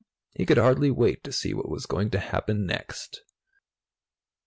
He could hardly wait to see what was going to happen next.